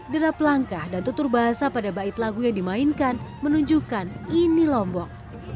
derap langkah dan tutur bahasa pada bait lagu yang dimainkan menunjukkan ini lombok